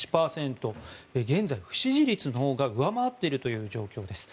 現在、不支持率のほうが上回っている状況です。